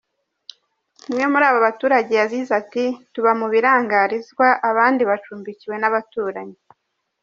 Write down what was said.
Umwe muri aba baturage yagize ati “Tuba mu birangarizwa, abandi bacumbikiwe n’abaturanyi.